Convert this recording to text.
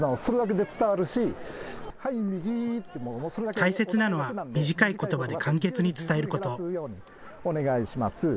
大切なのは短いことばで簡潔に伝えること。